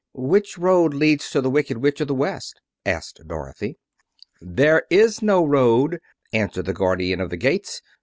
"Which road leads to the Wicked Witch of the West?" asked Dorothy. "There is no road," answered the Guardian of the Gates.